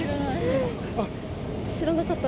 知らなかった。